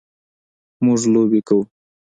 موږ لوبې کوو.